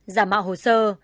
giả mạo hồ sơ